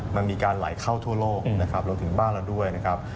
มันมีการไหลเข้าทั่วโลกนะครับรวมถึงบ้านเราด้วยนะครับ